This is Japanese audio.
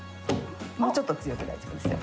もうちょっと強く大丈夫ですよ。